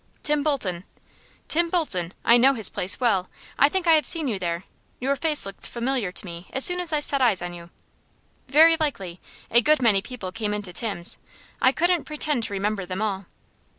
"Tim Bolton." "Tim Bolton? I know his place well. I think I must have seen you there. Your face looked familiar to me as soon as I set eyes on you." "Very likely. A good many people came into Tim's. I couldn't pretend to remember them all."